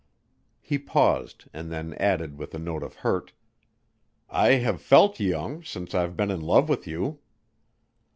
He paused and then added with a note of hurt. "I have felt young, since I've been in love with you."